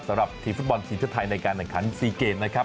สำหรับทีมฟุตบอลทีมชาติไทยในการแข่งขัน๔เกมนะครับ